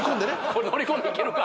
これ乗り込んで行けるか！